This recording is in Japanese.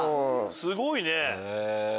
すごいね。